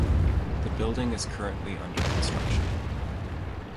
The building is currently under construction.